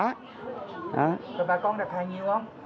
rồi bà con đặt hàng nhiều không